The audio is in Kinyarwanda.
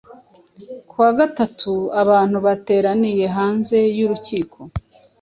Ku wa gatatu, abantu bateraniye hanze yurukiko